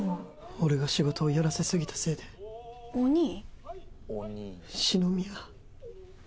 俺が仕事をやらせすぎたせいでおにぃ？